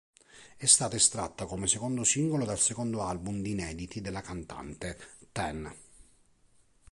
È stata estratta come secondo singolo dal secondo album di inediti della cantante, "Ten".